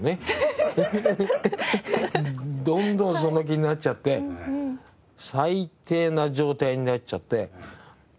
どんどんその気になっちゃって最低な状態になっちゃって。